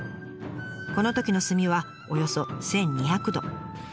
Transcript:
このときの炭はおよそ１，２００度。